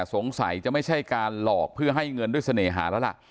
สงสัยจะไม่ใช่การหลอกเพื่อให้เงินด้วยเสน่หาแล้วล่ะ